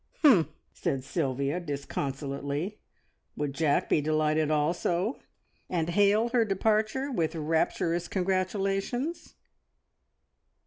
"Humph!" said Sylvia disconsolately. Would Jack be delighted also, and hail her departure with rapturous congratulations?